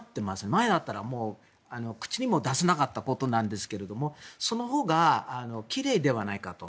前だったら口にも出せなかったことなんですがそのほうが奇麗ではないかと。